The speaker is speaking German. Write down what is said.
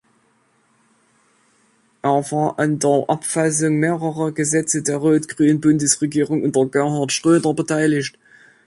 Er war an der Abfassung mehrerer Gesetze der rot-grünen Bundesregierung unter Gerhard Schröder beteiligt.